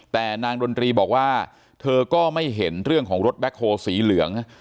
แต่นางดนตรีบอกว่าเธอก็ไม่เห็นเรื่องของรถแบ็คโฮลสีเหลือง